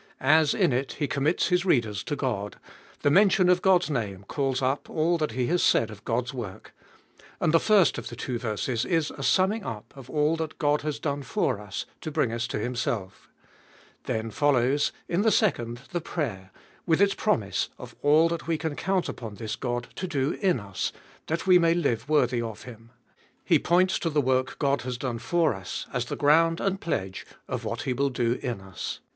As in it he commits his readers to God, the mention of God's name calls up all that he has said of God's work, and the first of the two verses is a summing up of all that God has done for us to bring us to Himself, Then follows, in the second the prayer, with its promise of all that we can count 533 Cbe HboUest of upon this God to do in us, that we may live worthy of Him. He points to the work God has done for us, as the ground and pledge of what He will do in us.